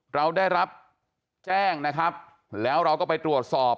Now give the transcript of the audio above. เราได้รับแจ้งนะครับแล้วเราก็ไปตรวจสอบ